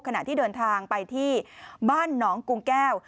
ขณะที่เดินทางไปที่บ้านหนองกุงแก้ว